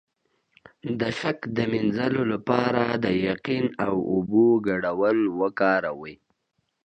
د شک د مینځلو لپاره د یقین او اوبو ګډول وکاروئ